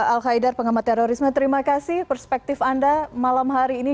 al qaidar pengamat terorisme terima kasih perspektif anda malam hari ini